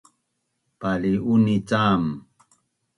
pal’u’unin cam!